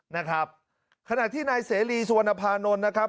นะครับขณะที่นายเสรีสุวรรณภานนท์นะครับ